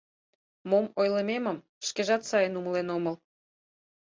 Мом ойлымемым шкежат сайын умылен омыл.